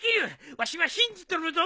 わしは信じとるぞ！